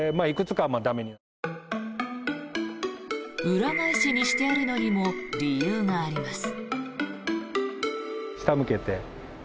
裏返しにしてあるのにも理由があります。